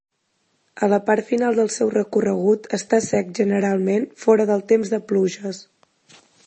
A la part final del seu recorregut està sec generalment fora del temps de pluges.